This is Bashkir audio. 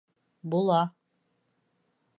— Була.